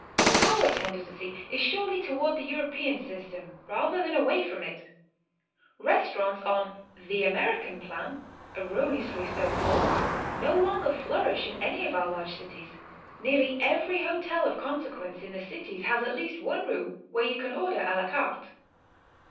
Our tendency is surely toward the European system rather than away from it. Restaurants on "the American plan," erroneously so called, no longer flourish in any of our large cities; nearly every hotel of consequence in the cities has at least one room where you can order a la carte.